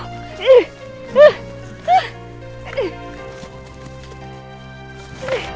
ih ih ih